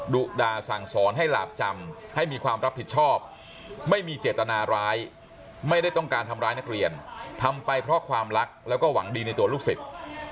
ดุด่าสั่งสอนให้หลาบจำให้มีความรับผิดชอบไม่มีเจตนาร้ายไม่ได้ต้องการทำร้ายนักเรียนทำไปเพราะความรักแล้วก็หวังดีในตัวลูกศิษย์